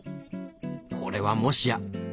これはもしや。